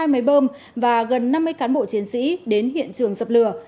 hai máy bơm và gần năm mươi cán bộ chiến sĩ đến hiện trường dập lửa